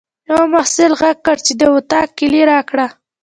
یوه محصل غږ کړ چې د اطاق کیلۍ راکړه.